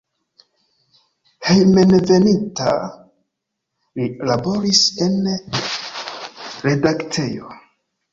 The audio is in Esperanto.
Hejmenveninta li laboris en redaktejo.